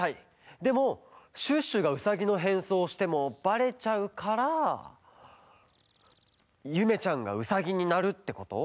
でもシュッシュがウサギのへんそうをしてもバレちゃうからゆめちゃんがウサギになるってこと？